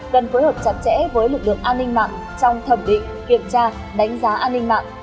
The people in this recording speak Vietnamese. cần phối hợp chặt chẽ với lực lượng an ninh mạng trong thẩm định kiểm tra đánh giá an ninh mạng